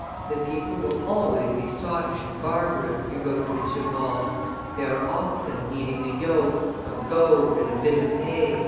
"The people will always be sottish and barbarous," he wrote to M. Bordes; "they are oxen needing a yoke, a goad, and a bit of hay."